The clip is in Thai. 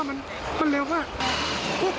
ไม่ได้เอาอะไรออกมาเลยเพราะว่ามันเร็วมาก